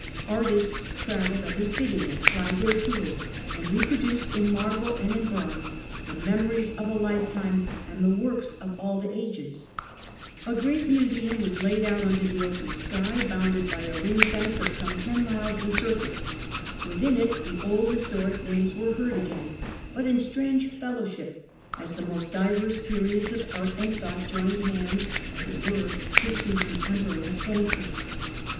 Artists travelled at his bidding, and plied their tools, and reproduced in marble and in bronze the memories of a lifetime and the works of all the ages, A great museum was laid out under the open sky, bounded by a ring fence of some ten miles in circuit ; within it the old historic names were heard again, but in strange fellowship, as the most diverse periods of art and thought joined hands as it were to suit the Emperor's fancy.